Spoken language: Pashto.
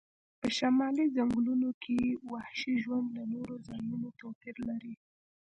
په شمالي ځنګلونو کې وحشي ژوند له نورو ځایونو توپیر لري